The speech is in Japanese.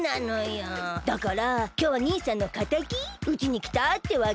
だからきょうは兄さんのかたきうちにきたってわけ。